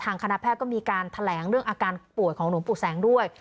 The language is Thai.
คณะแพทย์ก็มีการแถลงเรื่องอาการป่วยของหลวงปู่แสงด้วย